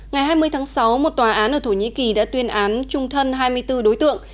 ngày hai mươi tháng sáu một tòa án ở thổ nhĩ kỳ đã tuyên án trung thân hai mươi bốn đối tượng